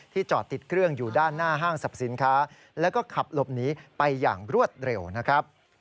จอดติดเครื่องอยู่ด้านหน้าห้างสรรพสินค้าแล้วก็ขับหลบหนีไปอย่างรวดเร็วนะครับ